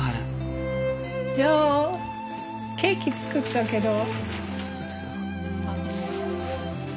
ジョーケーキ作ったけど。